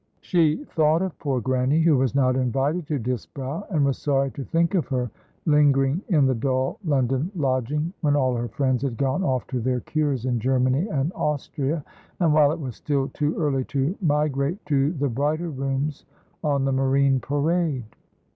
She thought of poor Grannie, who was not invited to Disbrowe, and was sorry to think of her lingering in the dull London lodging, when all her friends had gone off to their cures in Germany and Austria, and while it was still too early to migrate to the brighter rooms on the Marine Parade.